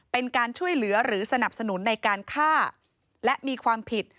เป็นการช่วยเหลือหรือสนับสนุนในการฆ่าและมีความผิด